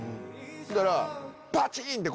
そしたら。